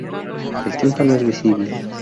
El tímpano es visible.